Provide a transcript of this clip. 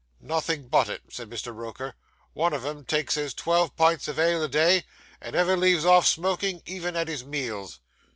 'Nothing but it,' said Mr. Roker. 'One of 'em takes his twelve pints of ale a day, and never leaves off smoking even at his meals.